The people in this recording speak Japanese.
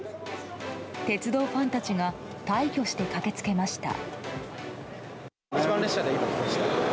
鉄道ファンたちが大挙して駆けつけました。